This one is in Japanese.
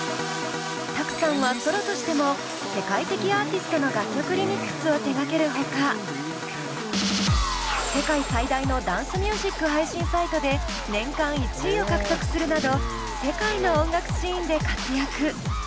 ☆Ｔａｋｕさんはソロとしても世界的アーティストの楽曲リミックスを手がけるほか世界最大のダンスミュージック配信サイトで年間１位を獲得するなど世界の音楽シーンで活躍。